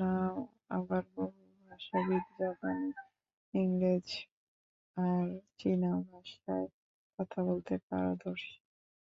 নাউ আবার বহুভাষাবিদ জাপানি, ইংরেজি আর চীনা ভাষায় কথা বলতে পারদর্শী।